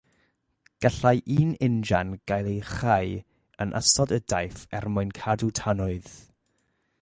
Gallai un injan gael ei chau yn ystod y daith er mwyn cadw tanwydd.